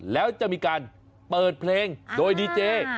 แล้วจะมีการเปิดเพลงโดยดีเจ